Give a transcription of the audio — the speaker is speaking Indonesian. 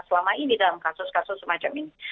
selama ini dalam kasus kasus semacam ini